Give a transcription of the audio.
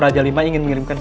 jadi geling mbak